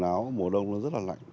quần áo mùa đông nó rất là lạnh